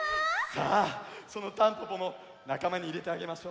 さあそのたんぽぽもなかまにいれてあげましょ。